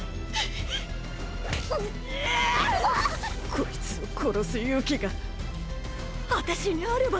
こいつを殺す勇気が私にあれば。